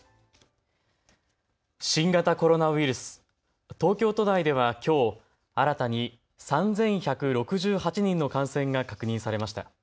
新型コロナウイルス、東京都内ではきょう新たに３１６８人の感染が確認されました。